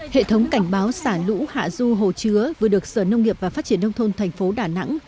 hệ thống cảnh báo xả lũ hạ du hồ chứa vừa được sở nông nghiệp và phát triển nông thôn thành phố đà nẵng